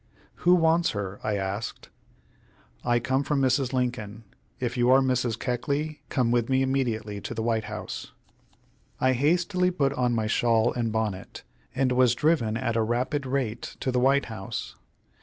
"Who wants her?" I asked. "I come from Mrs. Lincoln. If you are Mrs. Keckley, come with me immediately to the White House." I hastily put on my shawl and bonnet, and was driven at a rapid rate to the White House.